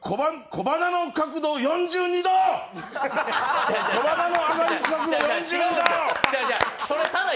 小鼻の上がり角度４２度！